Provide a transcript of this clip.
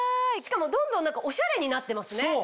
しかもどんどんオシャレになってますね。